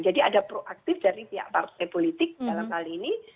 jadi ada proaktif dari pihak partai politik dalam hal ini